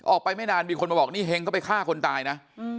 ไม่นานมีคนมาบอกนี่เฮงก็ไปฆ่าคนตายนะ